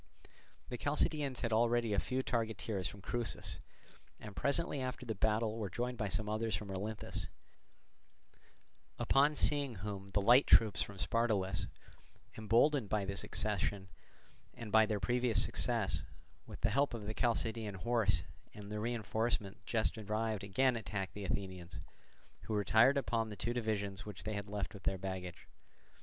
The Chalcidians had already a few targeteers from Crusis, and presently after the battle were joined by some others from Olynthus; upon seeing whom the light troops from Spartolus, emboldened by this accession and by their previous success, with the help of the Chalcidian horse and the reinforcement just arrived again attacked the Athenians, who retired upon the two divisions which they had left with their baggage.